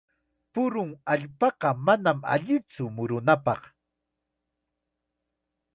Purun allpaqa manam allitsu murunapaq.